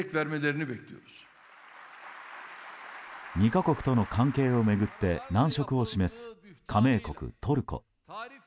２か国との関係を巡って難色を示す、加盟国トルコ。